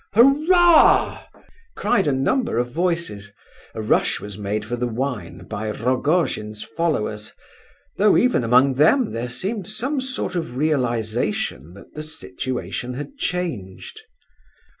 "Hurrah!" cried a number of voices. A rush was made for the wine by Rogojin's followers, though, even among them, there seemed some sort of realization that the situation had changed.